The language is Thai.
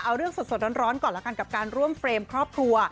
เอาเรื่องสดร้อนก่อนแล้วกันกับการร่วมเฟรมครอบครัว